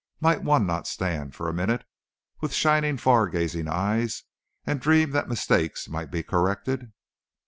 Might one not stand, for a minute, with shining, far gazing eyes, and dream that mistakes might be corrected?